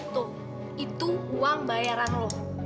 tuh itu uang bayaran loh